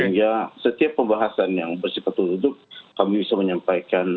sehingga setiap pembahasan yang berseputu duduk kami bisa menyampaikan